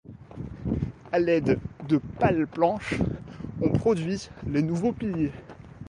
À l'aide de palplanches, on produit les nouveaux piliers.